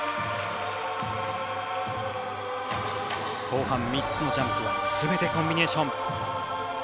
後半３つのジャンプはすべてコンビネーション。